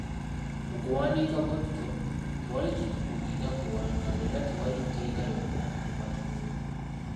"Mu kuwandiika bwe tutyo, tewali kitukugira kuwangaala era tewali tteeka lyonna lye tuba tumenye."